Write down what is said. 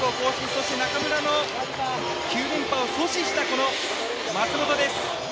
そして中村の９連覇を阻止した、松元です。